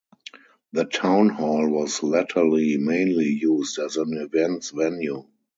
The town hall was latterly mainly used as an events venue.